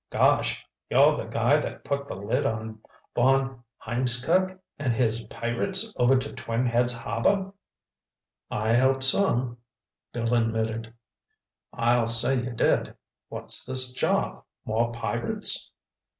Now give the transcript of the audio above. "Gosh! you're the guy that put the lid on von Hiemskirk and his pirates over to Twin Heads harbor?" "I helped some," Bill admitted. "I'll say you did! What's this job—more pirates?"